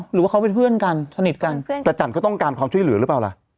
หรือว่าเขาเป็นเพื่อนกันสนิทกันแต่จันเขาต้องการความช่วยเหลือหรือเปล่าล่ะ